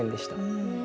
うん。